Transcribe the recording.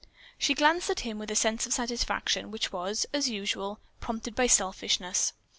She glanced at him with a sense of satisfaction, which was, as usual, prompted by selfishness.